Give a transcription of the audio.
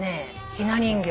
ひな人形。